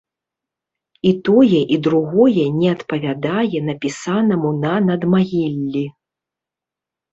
І тое, і другое не адпавядае напісанаму на надмагіллі.